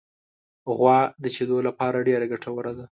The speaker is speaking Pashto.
غوا د شیدو لپاره ډېره ګټوره ده.